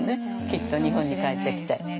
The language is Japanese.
きっと日本に帰ってきて。